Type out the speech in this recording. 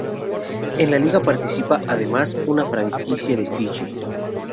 En la liga participa además, una franquicia de Fiyi.